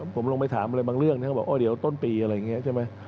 ผมลงไปถามอะไรบางเรื่องท่านก็บอกโอ้เดี๋ยวต้นปีอะไรอย่างเงี้ยใช่มั้ย